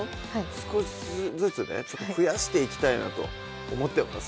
少しずつね増やしていきたいなと思ってます